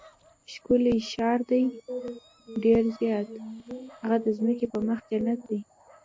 ښکلی ښار دی؟ ډېر زیات، هغه د ځمکې پر مخ جنت دی.